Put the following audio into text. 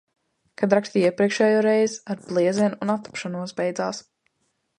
Kad rakstīju iepriekšējo reizi, ar bliezienu un attapšanos beidzās.